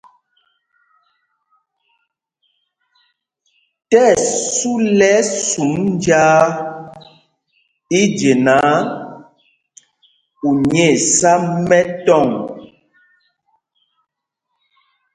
Tí ɛsu lɛ́ ɛsum njāā i je náǎ, u nyɛ̄ɛ̄ sá mɛtɔŋ.